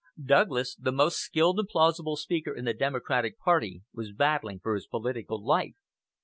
Douglas, the most skilled and plausible speaker in the Democratic party, was battling for his political life.